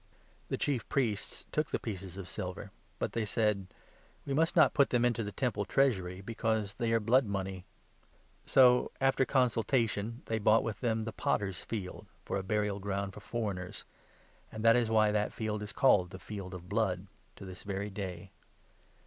The Chief Priests 6 took the pieces of silver, but they said :" We must not put them into the Temple treasury, because they are blood money." So, after consultation, they bought with them the ' Potter's 7 Field ' for a burial ground for foreigners ; and that is why that 8 field is called the ' Field of Blood ' to this very day.